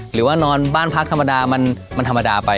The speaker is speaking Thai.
หรือว่านอนบ้านพักธรรมดามันธรรมดาไป